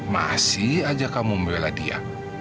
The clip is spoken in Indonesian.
masih aja kamu membela dia